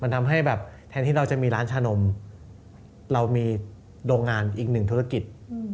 ทำให้แบบแทนที่เราจะมีร้านชานมเรามีโรงงานอีกหนึ่งธุรกิจ